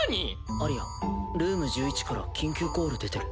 アリヤルーム１１から緊急コール出てる。